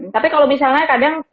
tapi kalau misalnya kadang